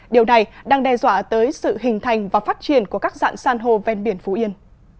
điều này đang đe dọa tới sự hình thành và phát triển của các dạng san hô ven biển phú yên